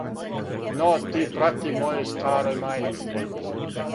Но ти прати мојој старој мајци: